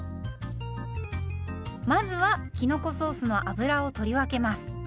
まずはきのこソースの油を取り分けます。